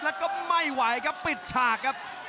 แล้วก็ไม่ไหวครับปิดฉากครับ